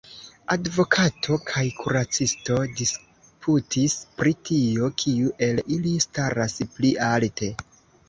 Advokato kaj kuracisto disputis pri tio, kiu el ili staras pli alte.